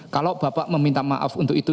kalau bapak meminta maaf untuk itu